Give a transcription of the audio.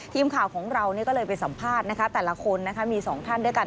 ทีมข่าวของเราก็เลยไปสัมภาษณ์แต่ละคนมี๒ท่านด้วยกัน